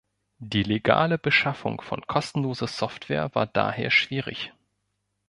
Die legale Beschaffung von kostenloser Software war daher schwierig.